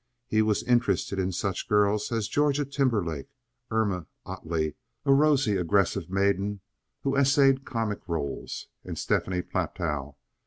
He was interested in such girls as Georgia Timberlake, Irma Ottley, a rosy, aggressive maiden who essayed comic roles, and Stephanie Platow.